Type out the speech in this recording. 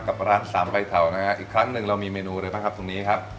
กับร้านสามใบเถานะครับอีกครั้งหนึ่งเรามีเมนูเลยป่ะครับตรงนี้ครับ